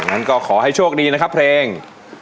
งั้นก็ขอให้โชคดีนะครับเพลง